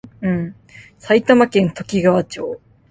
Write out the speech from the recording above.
埼玉県ときがわ町